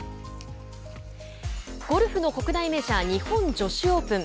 ゴルフの国内メジャー日本女子オープン。